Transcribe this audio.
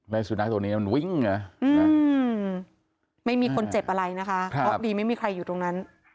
สุนัขตัวนี้มันวิ่งนะไม่มีคนเจ็บอะไรนะคะเพราะดีไม่มีใครอยู่ตรงนั้น